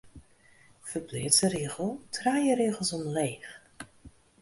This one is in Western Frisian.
Ferpleats de rigel trije rigels omleech.